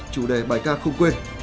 chủ đề bài ca không quên